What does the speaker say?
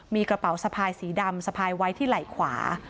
มีกระเป๋าสะพายสีดำสะพายไว้ที่ไหล่ขวา